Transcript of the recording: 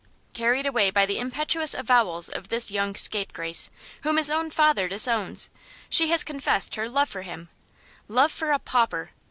Carried away by the impetuous avowals of this young scapegrace, whom his own father disowns, she has confessed her love for him love for a pauper!